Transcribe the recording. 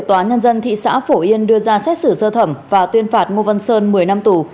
tòa nhân dân thị xã phổ yên đưa ra xét xử sơ thẩm và tuyên phạt ngô văn sơn một mươi năm tù